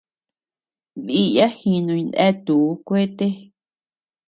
Diya jinuy neatuu kuete.